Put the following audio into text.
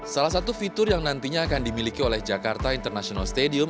salah satu fitur yang nantinya akan dimiliki oleh jakarta international stadium